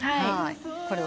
これは？